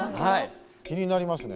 気になりますね。